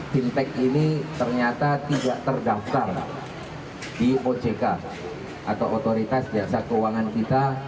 fintech ini ternyata tidak terdaftar di ojk atau otoritas jasa keuangan kita